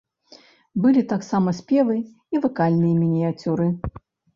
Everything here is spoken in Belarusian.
Былі таксама спевы і вакальныя мініяцюры.